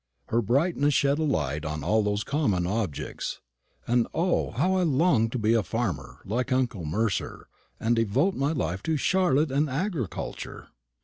Her brightness shed a light on all those common objects; and O, how I longed to be a farmer, like uncle Mercer, and devote my life to Charlotte and agriculture!